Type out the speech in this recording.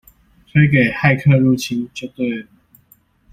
推給「駭客入侵」就對了！